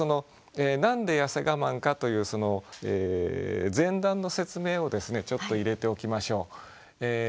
何で「痩せがまん」かというその前段の説明をですねちょっと入れておきましょう。